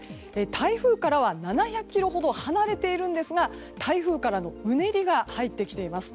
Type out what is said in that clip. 台風からは７００ｋｍほど離れているんですが台風からのうねりが入ってきています。